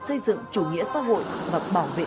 xây dựng chủ nghĩa xã hội và bảo vệ